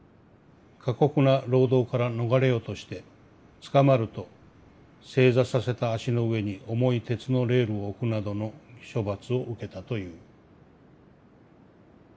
過酷な労働から逃れようとして捕まると正座させた足の上に重い鉄のレールを置くなどの処罰を受けたという」。